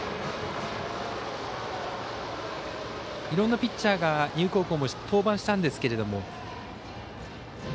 いろんなピッチャーが丹生高校も登板したんですけども。